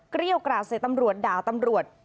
เกรี้ยวกราดใส่ตำรวจด่าตำรวจ